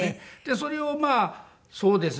それをまあそうですね。